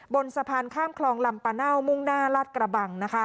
บนสะพานข้ามคลองลำปะเน่ามุ่งหน้าลาดกระบัง